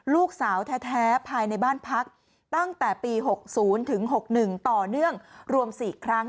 ลูกสาวแท้ภายในบ้านพักตั้งแต่ปี๖๐ถึง๖๑ต่อเนื่องรวม๔ครั้ง